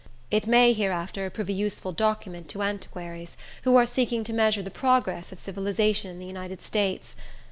It may hereafter prove a useful document to antiquaries, who are seeking to measure the progress of civilization in the United States.